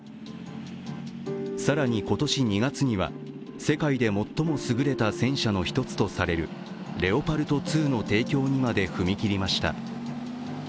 更に今年２月には世界で最も優れた戦車の一つとされるレオパルト２の提供にまで踏み切りました。